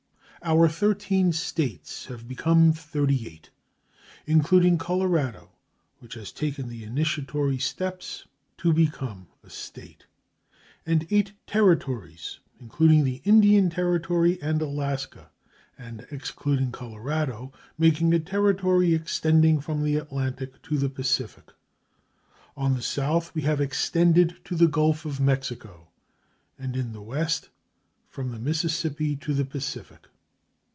Our thirteen States have become thirty eight, including Colorado (which has taken the initiatory steps to become a State), and eight Territories, including the Indian Territory and Alaska, and excluding Colorado, making a territory extending from the Atlantic to the Pacific. On the south we have extended to the Gulf of Mexico, and in the west from the Mississippi to the Pacific.